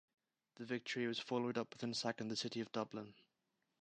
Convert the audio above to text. The victory was followed up with an attack on the city of Dublin.